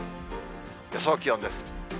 予想気温です。